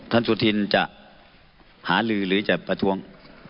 สุธินจะหาลือหรือจะประท้วง